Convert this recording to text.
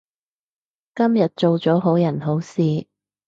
今日做咗好人好事